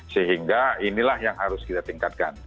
sehingga inilah yang harus kita tingkatkan